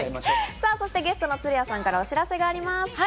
ゲストの鶴屋さんからお知らせがあります。